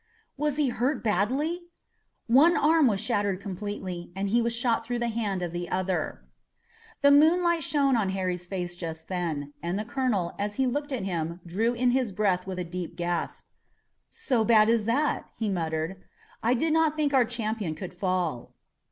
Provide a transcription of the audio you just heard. "Was he hurt badly?" "One arm was shattered completely, and he was shot through the hand of the other." The moonlight shone on Harry's face just then, and the colonel, as he looked at him, drew in his breath with a deep gasp. "So bad as that!" he muttered. "I did not think our champion could fall."